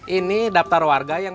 ini daftar warga yang